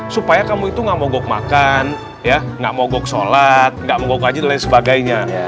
supaya kamu itu nggak mogok makan ya nggak mogok sholat gak mogok haji dan lain sebagainya